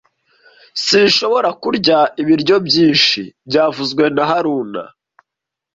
Sinshobora kurya ibiryo byinshi byavuzwe na haruna